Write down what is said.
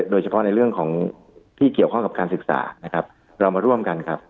โดยเฉพาะเรื่องที่เกี่ยวข้องกับการศึกษาเรามาร่วมกัน